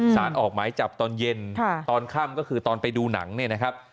สารออกหมายจับตอนเย็นตอนค่ำก็คือตอนไปดูหนังเนี่ยนะครับ